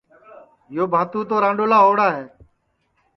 یو باتو تو رانڈؔولا ہوڑا ہے